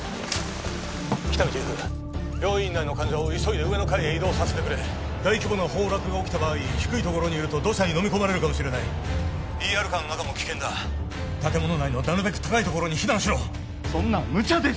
喜多見チーフ病院内の患者を急いで上の階へ移動させてくれ大規模な崩落が起きた場合低い所にいると土砂にのみこまれるかもしれないＥＲカーの中も危険だ建物内のなるべく高い所に避難しろそんなむちゃです